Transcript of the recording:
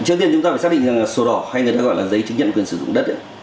trước tiên chúng ta phải xác định rằng sổ đỏ hay người ta gọi là giấy chứng nhận quyền sử dụng đất